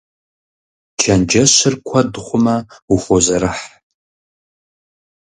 Чэнджэщыр куэд хъумэ, ухозэрыхь.